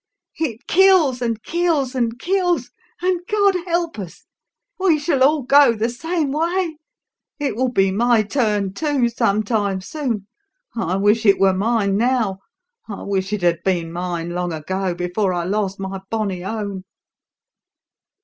It kills and kills and kills; and God help us! we all shall go the same way! It will be my turn, too, some time soon. I wish it were mine now. I wish it had been mine long ago before I lost my bonnie own!"